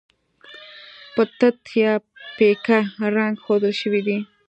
په تت یا پیکه رنګ ښودل شوي دي.